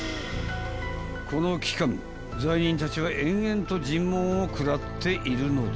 ［この期間罪人たちは延々と尋問を食らっているのだ］